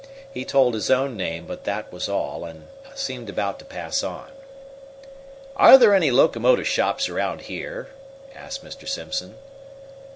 He told his own name, but that was all, and seemed about to pass on. "Are there any locomotive shops around here?" asked Mr. Simpson.